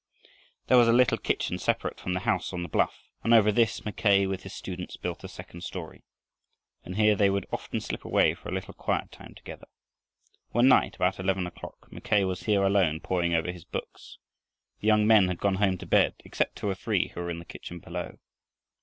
There was a little kitchen separate from the house on the bluff, and over this Mackay with his students built a second story. And here they would often slip away for a little quiet time together. One night, about eleven o'clock, Mackay was here alone poring over his books. The young men had gone home to bed except two or three who were in the kitchen below.